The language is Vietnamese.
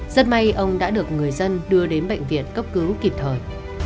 rất may ông đã được người dân đưa đến bệnh viện cấp cứu kịp thời